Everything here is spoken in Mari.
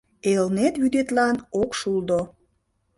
Элнет вӱдетлан ок шулдо.